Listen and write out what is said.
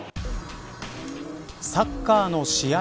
サッカーの試合